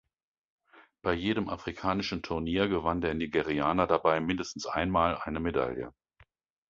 Bei jedem afrikanischen Turnier gewann der Nigerianer dabei mindestens einmal eine Medaille.